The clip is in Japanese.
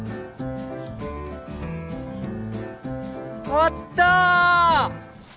あった！